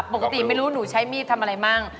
ปกติไม่รู้หนูใช้มีดทำอะไรมั่ง